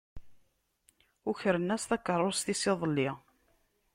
Ukren-as takeṛṛust-is iḍelli.